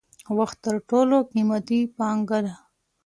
وخت تر ټولو قیمتی پانګه ده.